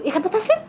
iya kan pak taslim